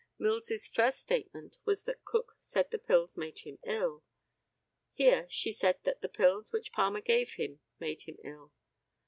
Mills's first statement was that Cook said the pills made him ill. Here she said that the pills which Palmer gave him made him ill.